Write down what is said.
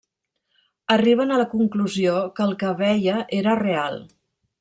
Arriben a la conclusió que el que veia era real.